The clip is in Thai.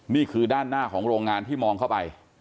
นี่คือด้านหน้าของโรงงานที่มองเข้าไป